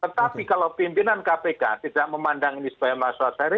tetapi kalau pimpinan kpk tidak memandang ini sebagai masalah serius